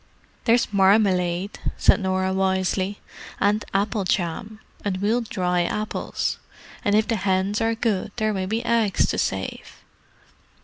"There's marmalade," said Norah wisely. "And apple jam—and we'll dry apples. And if the hens are good there may be eggs to save."